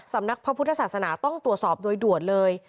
สำนักพระพุทธศาสนาต้องตรวจสอบโดยด่วนเลย